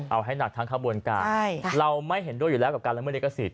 เอาให้หนักทั้งข้าวบนการ์เราไม่เห็นด้วยอยู่แล้วกับการลำบัดเลขสิทธิ์